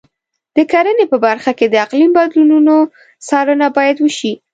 د کرنې په برخه کې د اقلیم بدلونونو څارنه باید وشي.